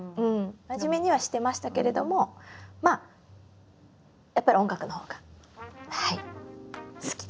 真面目にはしてましたけれどもまあやっぱり音楽のほうがはい好きでした。